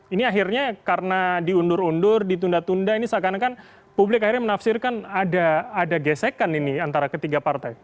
ini akhirnya karena diundur undur ditunda tunda ini seakan akan publik akhirnya menafsirkan ada gesekan ini antara ketiga partai